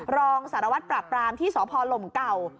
รองสารวัตรปราบปรามที่สพลมเก่า